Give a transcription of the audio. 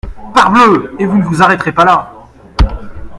Parbleu ! et vous ne vous arrêterez pas là.